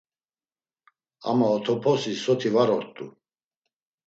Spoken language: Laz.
Ama otoposi soti var ort̆u.